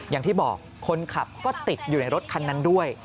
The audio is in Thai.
อย่างที่บอกคนขับก็ติดอยู่ในรถคันนั้นด้วย